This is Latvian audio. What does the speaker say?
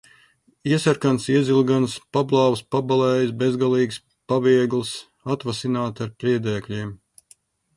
Iesarkans, iezilgans, pablāvs, pabalējis, bezgalīgs, paviegls. Atvasināti ar priedēkļiem.